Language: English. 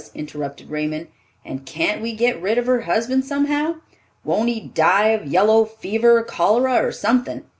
interrupted Raymond, "and can't we get rid of her husband somehow? Won't he die of yellow fever, cholera or something?